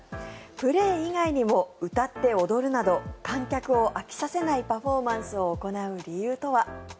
プレー以外にも歌って踊るなど観客を飽きさせないパフォーマンスを行う理由とは。